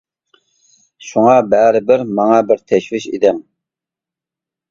شۇڭا بەرىبىر ماڭا بىر تەشۋىش ئىدىڭ.